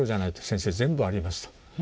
「先生全部あります」と。